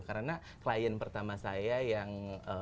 karena klien pertama saya yang